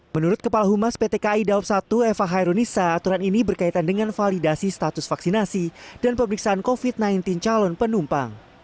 menurut kepala humas pt kai daob satu eva hairunisa aturan ini berkaitan dengan validasi status vaksinasi dan pemeriksaan covid sembilan belas calon penumpang